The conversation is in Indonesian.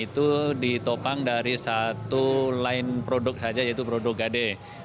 itu ditopang dari satu line produk saja yaitu produk gade